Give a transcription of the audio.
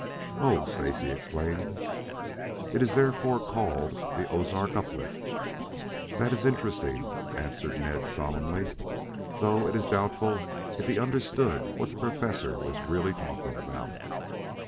"Oh," Stacy exclaimed. "It is therefore called the 'Ozark Uplift.'" "That is interesting," answered Ned solemnly, though it is doubtful if he understood what the Professor was really talking about.